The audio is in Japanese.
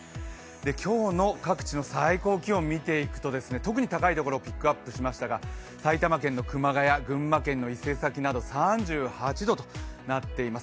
今日の各地の最高気温を見ていくと特に高いところをピックアップしましたが埼玉県の熊谷、群馬県の伊勢崎など３８度となっています。